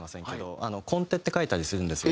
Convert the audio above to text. コンテって書いたりするんですよ。